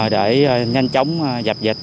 để nhanh chóng giập dịch